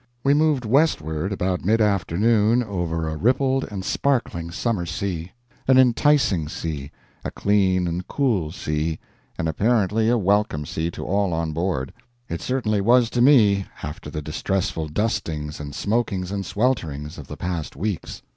We moved westward about mid afternoon over a rippled and sparkling summer sea; an enticing sea, a clean and cool sea, and apparently a welcome sea to all on board; it certainly was to me, after the distressful dustings and smokings and swelterings of the past weeks.